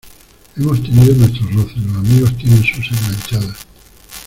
hemos tenido nuestros roces. los amigos tienen sus enganchadas